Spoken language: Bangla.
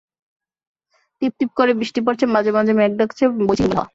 টিপ টিপ করে বৃষ্টি পড়ছে, মাঝে মাঝে মেঘ ডাকছে, বইছে হিমেল বাতাস।